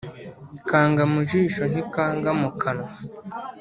Kanga mu jisho ntikanga mu kanwa.